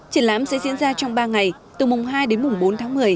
triển lãm sẽ diễn ra trong ba ngày từ mùng hai đến mùng bốn tháng một mươi